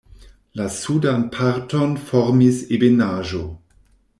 La sudan parton formis ebenaĵo.